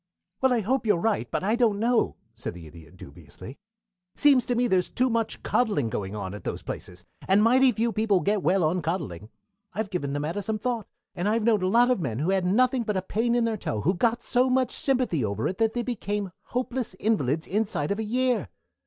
"Well, I hope you are right, but I don't know," said the Idiot dubiously. "Seems to me there's too much coddling going on at those places, and mighty few people get well on coddling. I've given the matter some thought, and I've known a lot of men who had nothing but a pain in their toe who got so much sympathy over it that they became hopeless invalids inside of a year.